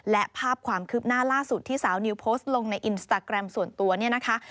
และภาพความคืบหน้าล่าสุดที่สาวนิวโพสต์ลงในอินสตาแกรมส่วนตัวเนี่ยนะคะ